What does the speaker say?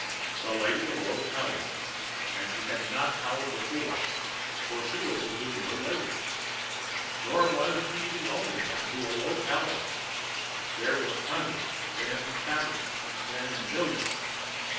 The lady awoke howling. And she had not howled before, for she was a demure lady. Nor was she the only one who awoke howling. There were hundreds, then thousands, then millions.